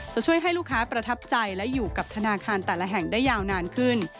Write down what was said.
จะช่วยให้ลูกค้าประทับใจและอยู่กับธนาคารแต่ละแห่งได้ยาวนานขึ้น